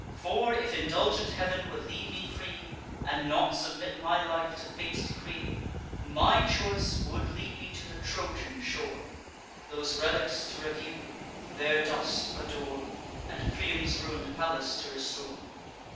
For, if indulgent Heav'n would leave me free, And not submit my life to fate's decree, My choice would lead me to the Trojan shore, Those relics to review, their dust adore, And Priam's ruin'd palace to restore.